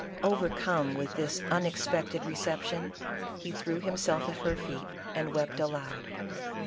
Over come with this unexpected reception, he threw himself at her feet and wept aloud.